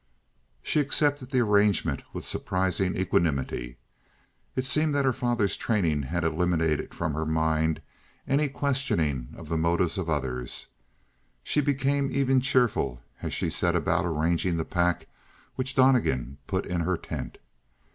She accepted the arrangement with surprising equanimity. It seemed that her father's training had eliminated from her mind any questioning of the motives of others. She became even cheerful as she set about arranging the pack which Donnegan put in her tent.